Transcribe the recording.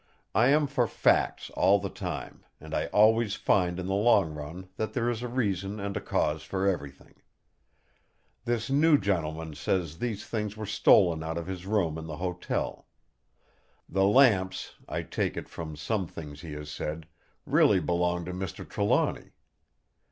I am for facts all the time; and I always find in the long run that there is a reason and a cause for everything. This new gentleman says these things were stolen out of his room in the hotel. The lamps, I take it from some things he has said, really belong to Mr. Trelawny.